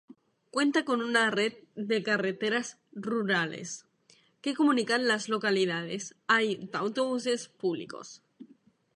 Cuenta con una red de carreteras rurales que comunican las localidades; hay autobuses públicos.